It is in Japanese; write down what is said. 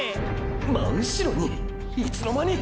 真後ろに⁉いつの間に！！